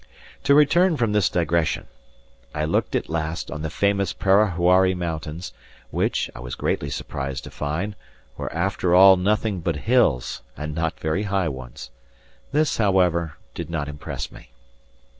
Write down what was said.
To return from this digression. I looked at last on the famous Parahuari mountains, which, I was greatly surprised to find, were after all nothing but hills, and not very high ones. This, however, did not impress me.